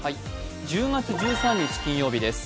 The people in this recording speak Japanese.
１０月１３日金曜日です。